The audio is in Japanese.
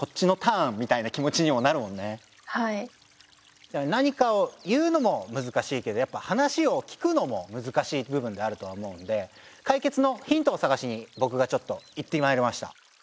じゃあなにかを言うのも難しいけどやっぱ話を聞くのも難しい部分であるとは思うんで解決のヒントをさがしに僕がちょっと行ってまいりました。